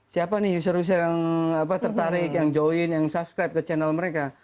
siapa nih user user yang tertarik yang join yang subscribe ke channel mereka